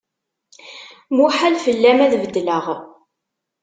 Muḥal fell-am ad beddleɣ.